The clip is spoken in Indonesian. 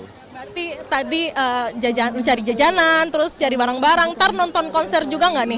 berarti tadi mencari jajanan terus cari barang barang ntar nonton konser juga nggak nih